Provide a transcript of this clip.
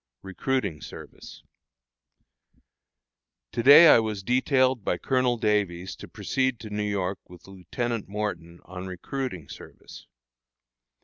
RECRUITING SERVICE. October 28. To day I was detailed by Colonel Davies to proceed to New York with Lieutenant Morton, on recruiting service.